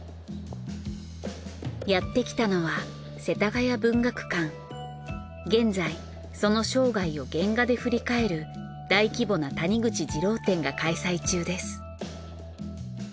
やって来たのは現在その生涯を原画で振り返る大規模な「谷口ジロー展」が開催中です。